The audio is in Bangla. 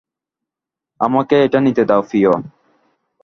আমাকে এটা নিতে দাও, প্রিয়।